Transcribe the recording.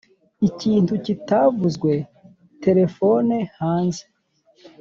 ikintu kitavuzwe, terefone hanze